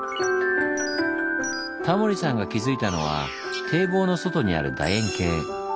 タモリさんが気付いたのは堤防の外にあるだ円形。